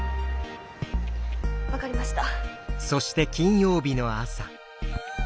分かりました。